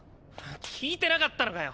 聞いてなかったのかよ！